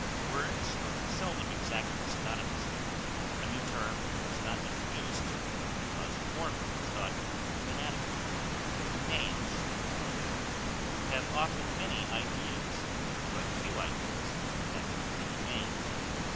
Words are seldom exactly synonymous; a new term was not introduced, but because the former was thought inadequate: names, therefore, have often many ideas, but few ideas have many names.